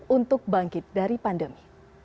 untuk bangkit dari pandemi